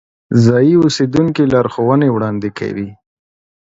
ځایی اوسیدونکي لارښوونې وړاندې کوي.